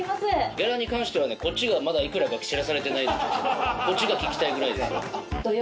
ギャラに関してはこっちがまだ幾らか知らされてないんでこっちが聞きたいぐらいですよ。